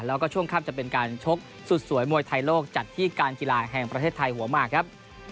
แล้วก็ช่วงค่ำจะเป็นการชกสุดสวยมวยไทยโลกจัดที่การกีฬาแห่งประเทศไทยหัวหมากครับ